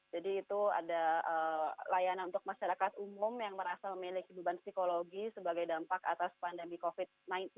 jadi itu ada layanan untuk masyarakat umum yang merasa memiliki beban psikologi sebagai dampak atas pandemi covid sembilan belas